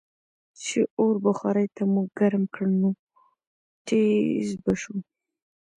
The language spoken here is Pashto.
چې اور بخارۍ ته مو ګرم کړ نو ټیزززز به شو.